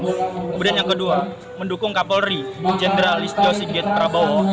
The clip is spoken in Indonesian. kemudian yang kedua mendukung kapol ri jenderal istio sigit prabowo